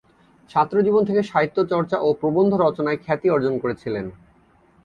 ছাত্রজীবন থেকে সাহিত্যচর্চা ও প্রবন্ধরচনায় খ্যাতি অর্জন করেছিলেন।